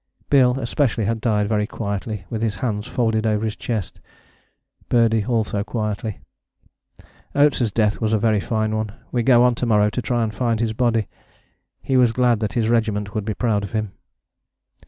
Bill especially had died very quietly with his hands folded over his chest. Birdie also quietly. Oates' death was a very fine one. We go on to morrow to try and find his body. He was glad that his regiment would be proud of him.